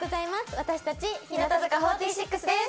私たち、日向坂４６です。